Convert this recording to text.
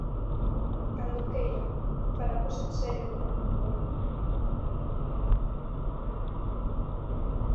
Cando queira, falamos en serio de Venezuela.